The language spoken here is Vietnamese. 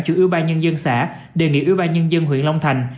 chủ ủy ban nhân dân xã đề nghị ủy ban nhân dân huyện long thành